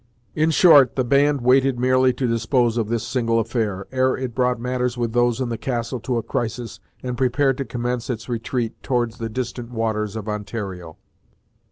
In short the band waited merely to dispose of this single affair, ere it brought matters with those in the Castle to a crisis, and prepared to commence its retreat towards the distant waters of Ontario.